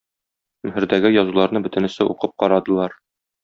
Мөһердәге язуларны бөтенесе укып карадылар.